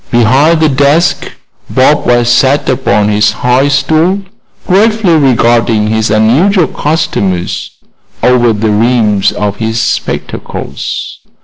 Behind the desk Bob West sat upon his high stool, gravely regarding his unusual customers over the rims of his spectacles.